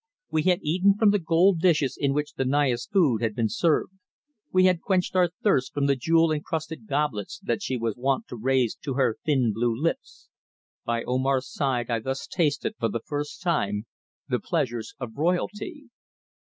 We had eaten from the gold dishes in which the Naya's food had been served; we had quenched our thirst from the jewel encrusted goblets that she was wont to raise to her thin blue lips. By Omar's side I thus tasted, for the first time, the pleasures of royalty.